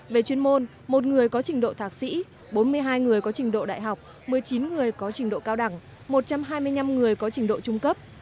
về chuyên môn một người có trình độ thạc sĩ bốn mươi hai người có trình độ đại học một mươi chín người có trình độ cao đẳng một trăm hai mươi năm người có trình độ trung cấp